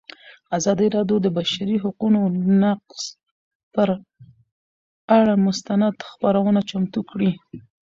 ازادي راډیو د د بشري حقونو نقض پر اړه مستند خپرونه چمتو کړې.